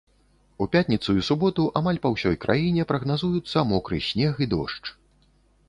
У пятніцу і суботу амаль па ўсёй краіне прагназуюцца мокры снег і дождж.